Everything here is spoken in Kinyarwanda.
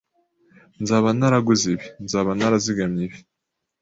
nzaba naraguze ibi, nzaba narazigamye ibi.